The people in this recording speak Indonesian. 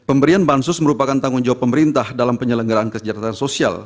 pemberian bansos merupakan tanggung jawab pemerintah dalam penyelenggaraan kesejahteraan sosial